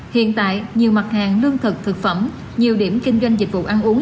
hiện tại nhiều mặt hàng lương thực thực phẩm nhiều điểm kinh doanh dịch vụ ăn uống